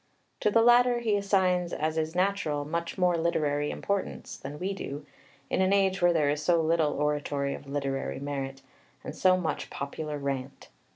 To the latter he assigns, as is natural, much more literary importance than we do, in an age when there is so little oratory of literary merit, and so much popular rant.